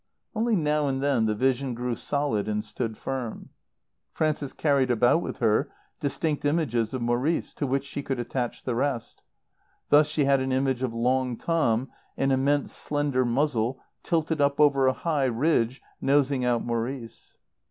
Only now and then the vision grew solid and stood firm. Frances carried about with her distinct images of Maurice, to which she could attach the rest. Thus she had an image of Long Tom, an immense slender muzzle, tilted up over a high ridge, nosing out Maurice.